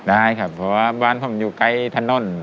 ได้ครับเพราะว่าบ้านผมอยู่ใกล้ถนน